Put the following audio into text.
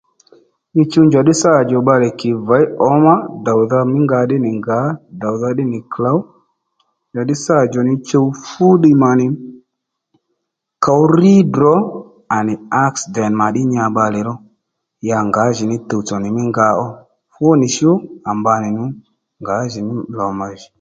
Nyi chuw njàddí sâdjò bbalè kì věy ǒmá dòwdha mí nga nì ngǎ ddòwdha ddí nì klǒw njàddí sâdjò nyi chuw fúddiy mà nì kǒw rŕ ddrǒ à nì aksident mà ddí nya bbalè ró ya ngǎjì ní tuwtso nì mí nga ó fú nì chú à mba nì ngǎjìní lò mà jì